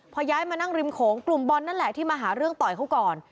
พอย้ายมานั่งริมโขงกลุ่มบอลนั่นแหละที่มาหาเรื่องต่อยเขาก่อน